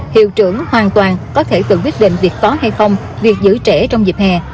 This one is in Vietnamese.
hiệu trưởng hoàn toàn có thể tự quyết định việc có hay không việc giữ trẻ trong dịp hè